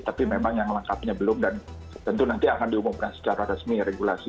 tapi memang yang lengkapnya belum dan tentu nanti akan diumumkan secara resmi regulasi